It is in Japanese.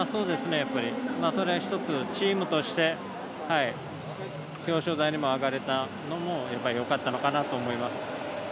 それは１つチームとして表彰台にも上がれたのもよかったのかなと思います。